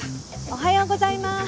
おはようございまーす！